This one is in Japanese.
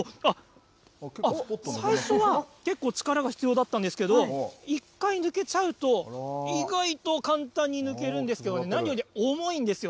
最初は結構、力が必要だったんですけど、一回抜けちゃうと、意外と簡単に抜けるんですけどね、何より重いんですよ。